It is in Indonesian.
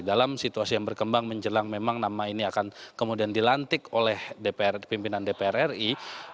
dalam situasi yang berkembang menjelang memang nama ini akan kemudian dilantik oleh pimpinan dpr ri